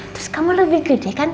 terus kamu lebih gede kan